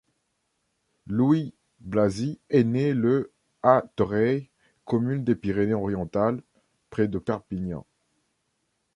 Louis Blasi est né le à Torreilles, commune des Pyrénées-Orientales, près de Perpignan.